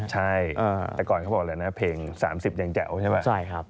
ใช่แต่ก่อนเขาบอกเลยนะเพลง๓๐ยังแจ๋วใช่ไหม